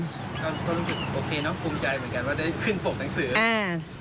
ก็ก็รู้สึกโอเคเนอะภูมิใจเหมือนกันว่าได้ขึ้นปกหนังสืออ่า